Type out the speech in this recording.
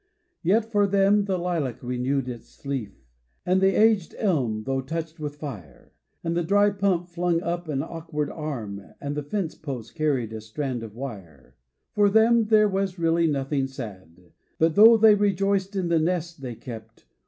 Yet for them the lilac renewed its leaf. And the aged elm, though touched with fire ; And the dry pump flung up an awkard arm ; And the fence post carried a strand of wire. For them there was really nothing sad. But though they rejoiced in the nest they kept.